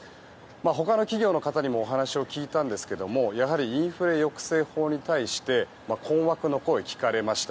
他の企業の方にもお話を聞いたんですがやはりインフレ抑制法に対して困惑の声、聞かれました。